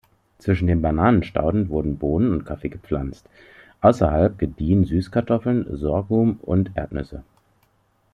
Zwischen den Bananenstauden wurden Bohnen und Kaffee gepflanzt, außerhalb gediehen Süßkartoffel, Sorghum und Erdnüsse.